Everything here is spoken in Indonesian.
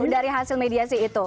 dari hasil mediasi itu